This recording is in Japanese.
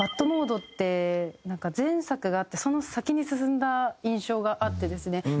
『ＢＡＤモード』ってなんか前作があってその先に進んだ印象があってですね。